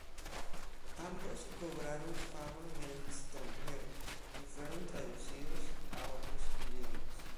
Ambos cobraron fama en el extranjero y fueron traducidos a otros idiomas.